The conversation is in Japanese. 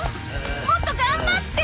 もっと頑張って！